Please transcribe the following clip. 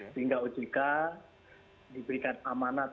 sehingga ojk diberikan amanah